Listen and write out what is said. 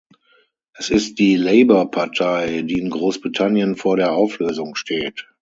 Es ist die Labour-Partei, die in Großbritannien vor der Auflösung steht.